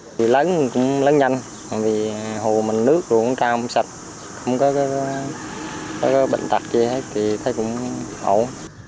vì lớn cũng lớn nhanh vì hồ mình nước cũng cao không sạch không có bệnh tạc gì hết thì thấy cũng ổn